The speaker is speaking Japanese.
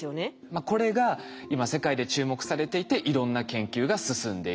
これが今世界で注目されていていろんな研究が進んでいると。